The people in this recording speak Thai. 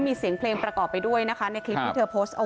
มีแต่เสียงตุ๊กแก่กลางคืนไม่กล้าเข้าห้องน้ำด้วยซ้ำ